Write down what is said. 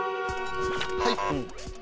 はい。